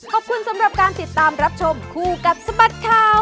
ขอบคุณสำหรับการติดตามรับชมคู่กับสบัดข่าว